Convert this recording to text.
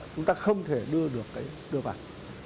chúng ta không thể đưa được cái đưa vào